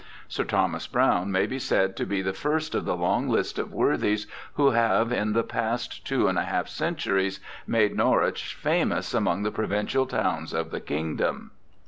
Sir Thomas Browne may be said to be the first of the long list of worthies who have in the past two and a half centuries made Norwich famous among the provincial towns of the kingdom.